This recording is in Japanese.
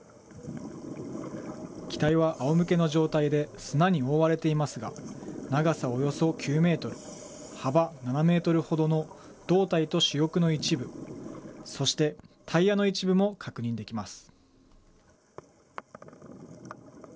機体はあおむけの状態で、砂に覆われていますが、長さおよそ９メートル、幅７メートルほどの胴体と主翼の一部、そしてタイヤの一部も確認できます。